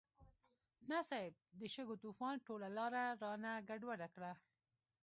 نه صيب، د شګو طوفان ټوله لاره رانه ګډوډه کړه.